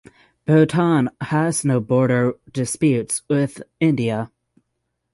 Bhutan has no border disputes with India.